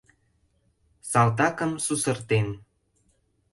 — Салтакым сусыртен.